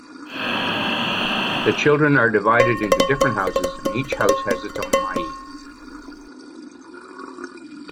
The children are divided into different houses and each house has its own 'amayi'.